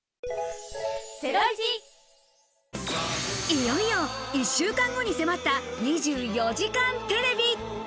いよいよ１週間後に迫った『２４時間テレビ』。